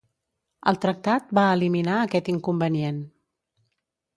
El tractat va eliminar aquest inconvenient.